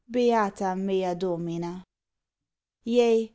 Beata mea Domina! Yea!